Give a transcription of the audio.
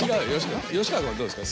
吉川君はどうですか？